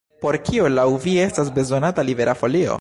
Por kio laŭ vi estas bezonata Libera Folio?